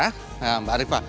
nah mbak rifa